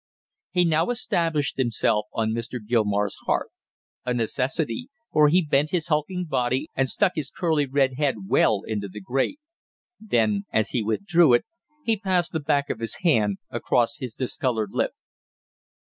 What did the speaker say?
He now established himself on Mr. Gilmore's hearth, a necessity for he bent his hulking body and stuck his curly red head well into the grate; then as he withdrew it, he passed the back of his hand across his discolored lip.